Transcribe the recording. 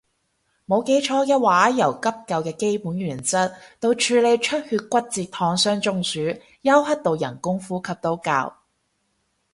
冇記錯嘅話由急救嘅基本原則到處理出血骨折燙傷中暑休克到人工呼吸都教